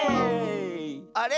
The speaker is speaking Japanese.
あれ？